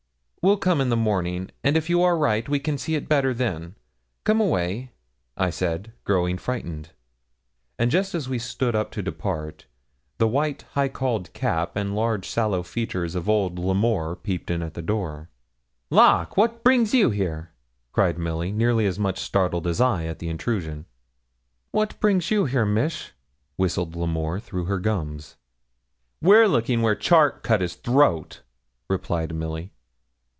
'We'll come in the morning, and if you are right we can see it better then. Come away,' I said, growing frightened. And just as we stood up to depart, the white high cauled cap and large sallow features of old L'Amour peeped in at the door. 'Lawk! what brings you here?' cried Milly, nearly as much startled as I at the intrusion. 'What brings you here, miss?' whistled L'Amour through her gums. 'We're looking where Charke cut his throat,' replied Milly.